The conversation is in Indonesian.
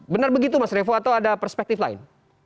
benar begitu mas revo atau ada perspektif lain